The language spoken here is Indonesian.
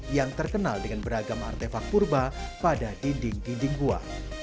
yang terkenal dengan beragam artefak purba pada dinding dinding gua